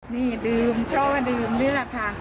นี่ดื่มเพราะว่าดื่มนี่แหละค่ะ